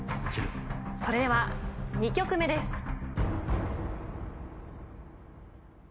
それでは２曲目です。